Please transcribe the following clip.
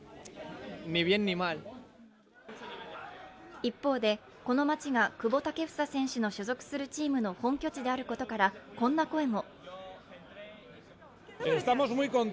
一方で、この街が久保建英選手の所属するチームの本拠地であることからこんな声も。